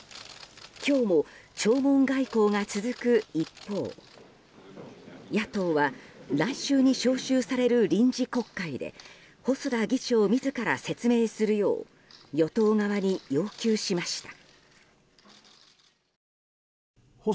今日も、弔問外交が続く一方野党は来週に召集される臨時国会で細田議長自ら説明するよう与党側に要求しました。